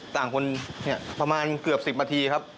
ต่างคนประมาณเกือบ๑๐นาทีครับ